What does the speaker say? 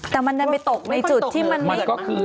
แต่มันจะไปตกในจุดที่มันมี